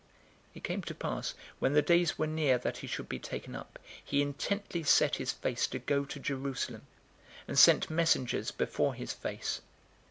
009:051 It came to pass, when the days were near that he should be taken up, he intently set his face to go to Jerusalem, 009:052 and sent messengers before his face.